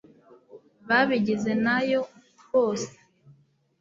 babigize nayo bose